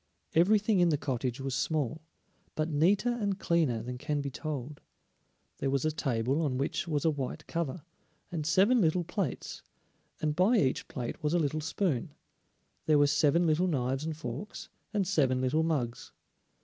Everything in the cottage was small, but neater and cleaner than can be told. There was a table on which was a white cover, and seven little plates, and by each plate was a little spoon; there were seven little knives and forks, and seven little mugs.